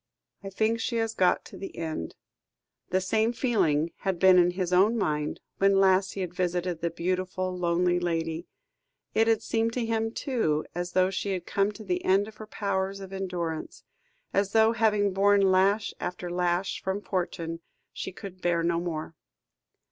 "I think she has got to the end." The same feeling had been in his own mind when last he had visited the beautiful, lonely lady; it had seemed to him, too, as though she had come to the end of her powers of endurance as though, having borne lash after lash from fortune, she could bear no more.